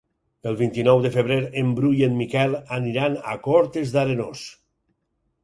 El vint-i-nou de febrer en Bru i en Miquel aniran a Cortes d'Arenós.